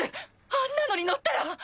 あんなのに乗ったら。